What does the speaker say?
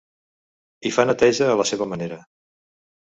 Hi fa neteja a la seva manera.